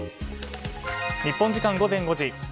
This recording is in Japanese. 日本時間午前５時。